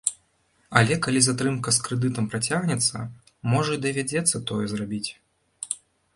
Але калі затрымка з крэдытам працягнецца, можа і давядзецца тое зрабіць.